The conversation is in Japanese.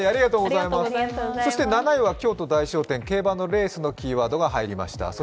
そして７位は京都大賞典競馬のレースのキーワードが入りました。